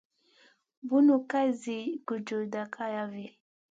Bunu ka zi gurjuda kalavi.